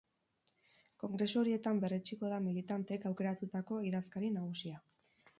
Kongresu horietan berretsiko da militanteek aukeratutako idazkari nagusia.